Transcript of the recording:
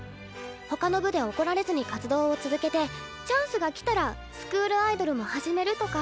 他の部で怒られずに活動を続けてチャンスが来たらスクールアイドルも始めるとか。